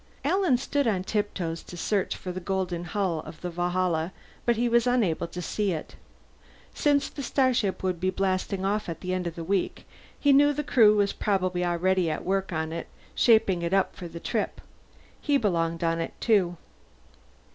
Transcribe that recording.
Alan stood on tiptoes to search for the golden hull of the Valhalla, but he was unable to see it. Since the starship would be blasting off at the end of the week, he knew the crew was probably already at work on it, shaping it up for the trip. He belonged on it too.